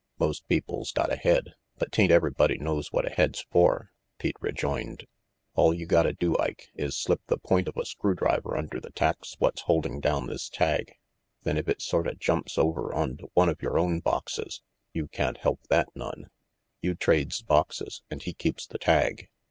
"Most people's got a head, but 'tain't everybody knows what a head's for," Pete rejoined. "All you RANGY PETE 11 gotta do, Ike, is slip the point of a screwdriver under the tacks what's holding down this tag, then if it sorta jumps over onto one of your own boxes, you can't help that none. You trades boxes and he keeps the tag.